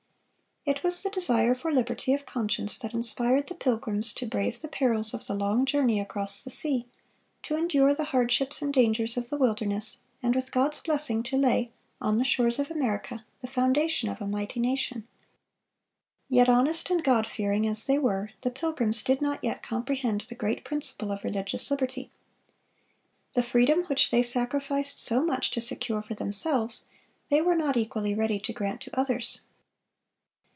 (437) It was the desire for liberty of conscience that inspired the Pilgrims to brave the perils of the long journey across the sea, to endure the hardships and dangers of the wilderness, and with God's blessing to lay, on the shores of America, the foundation of a mighty nation. Yet honest and God fearing as they were, the Pilgrims did not yet comprehend the great principle of religious liberty. The freedom which they sacrificed so much to secure for themselves, they were not equally ready to grant to others.